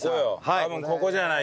多分ここじゃない？